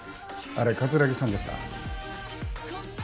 あれ桂木さんですか？